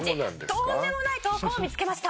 とんでもない投稿を見つけました。